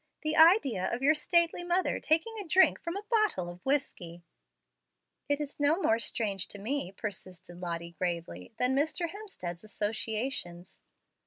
The idea of your stately mother taking a drink from a bottle of whiskey!" "It is no more strange to me," persisted Lottie, gravely, "than Mr. Hemstead's associations.